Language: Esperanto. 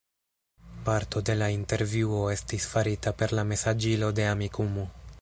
Parto de la intervjuo estis farita per la mesaĝilo de Amikumu.